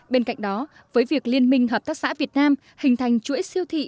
bên cạnh đó với việc liên minh hợp tác xã việt nam hình thành chuỗi siêu thị